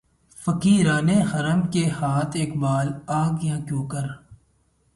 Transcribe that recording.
فقیران حرم کے ہاتھ اقبالؔ آ گیا کیونکر